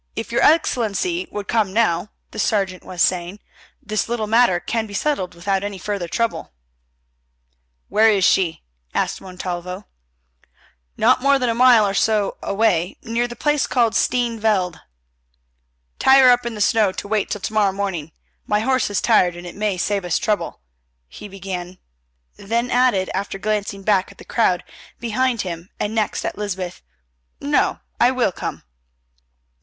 "If your Excellency would come now," the sergeant was saying, "this little matter can be settled without any further trouble." "Where is she?" asked Montalvo. "Not more than a mile or so away, near the place called Steene Veld." "Tie her up in the snow to wait till to morrow morning. My horse is tired and it may save us trouble," he began, then added, after glancing back at the crowd behind him and next at Lysbeth, "no, I will come."